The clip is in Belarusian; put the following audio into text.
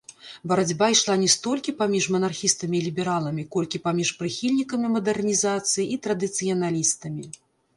Барацьба ішла не столькі паміж манархістамі і лібераламі, колькі паміж прыхільнікамі мадэрнізацыі і традыцыяналістамі.